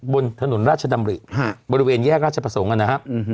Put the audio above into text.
บนถนนราชดำริบริเวณแยกราชประสงค์นะครับ